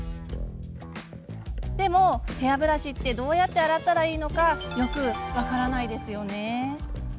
でも、ヘアブラシってどうやって洗ったらいいのかよく分からないですよね。